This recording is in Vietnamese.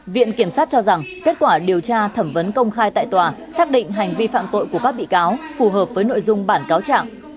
viện kiểm sát cho rằng kết quả điều tra thẩm vấn công khai tại tòa xác định hành vi phạm tội của các bị cáo phù hợp với nội dung bản cáo trạng